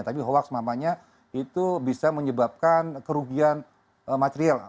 tapi hoax namanya itu bisa menyebabkan kerugian material